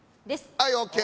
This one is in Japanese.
はい、ＯＫ。